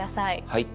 はい。